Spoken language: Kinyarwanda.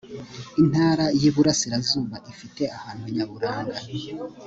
intara y ‘iburasirazuba ifite ahantu nyaburanga.